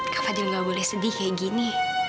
kepada yang gak boleh sedih kayak gini